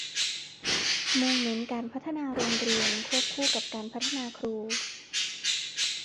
มุ่งเน้นการพัฒนาโรงเรียนควบคู่กับการพัฒนาครู